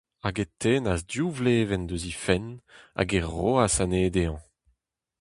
Hag e tennas div vlevenn eus he fenn, hag e roas anezhe dezhañ.